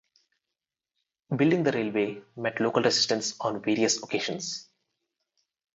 Building the railway met local resistance on various occasions.